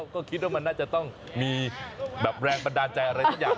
ก็คิดว่ามันน่าจะต้องมีแบบแรงบันดาลใจอะไรสักอย่าง